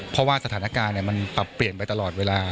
เพราะว่าสถานการณ์มันปรับเปลี่ยนไปตลอดเวลา